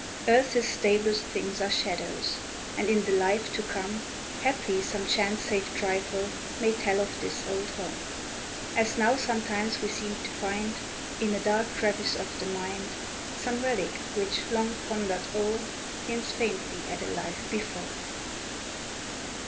Earth's stablest things are shadows, And, in the life to come, Haply some chance saved trifle May tell of this old home: As now sometimes we seem to find, In a dark crevice of the mind, Some relic, which, long pondered o'er, Hints faintly at a life before.